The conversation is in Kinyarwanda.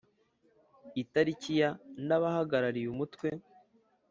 Itariki ya n abahagarariye umutwe